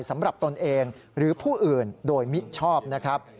ตนเองหรือผู้อื่นโดยมิชอบนะครับ